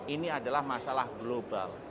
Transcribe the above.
ini adalah masalah global